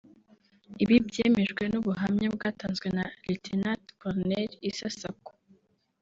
Ibi byemejwe n’ubuhamya bwatanzwe na Lieutenant-colonel Isa Sako